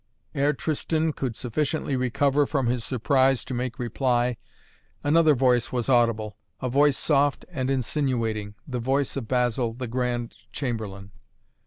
Ere Tristan could sufficiently recover from his surprise to make reply, another voice was audible, a voice, soft and insinuating the voice of Basil, the Grand Chamberlain.